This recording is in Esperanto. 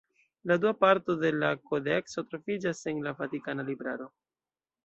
La dua parto de la kodekso troviĝas en la Vatikana libraro.